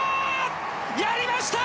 やりました！